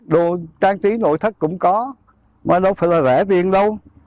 đồ trang trí nội thất cũng có và đâu phải là rẻ tiền đâu